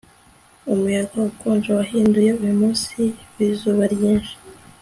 umuyaga ukonje wahinduye uyu munsi wizuba ryinshi